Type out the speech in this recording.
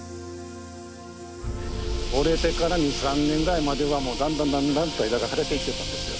折れてから２３年ぐらいまではもうだんだんだんだんと枝が枯れてきてたんですよ。